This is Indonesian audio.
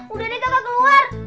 udah deh kakak keluar